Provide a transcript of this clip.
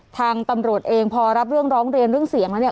ทางตำรวจเองพอรับเรื่องร้องเรียนเรื่องเสียงแล้วเนี่ย